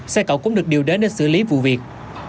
xe cậu cũng được điều đến để xử lý vụ việc